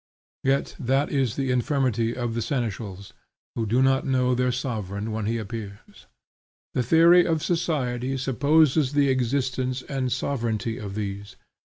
Yet that is the infirmity of the seneschals, who do not know their sovereign when he appears. The theory of society supposes the existence and sovereignty of these.